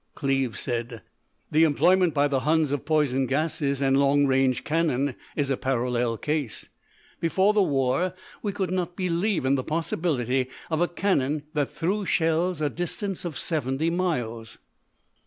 Cleves said: "The employment by the huns of poison gases and long range cannon is a parallel case. Before the war we could not believe in the possibility of a cannon that threw shells a distance of seventy miles."